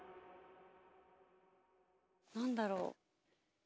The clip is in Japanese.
何だろう？